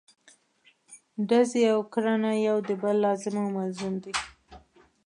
ډزې او کرنه یو د بل لازم او ملزوم دي.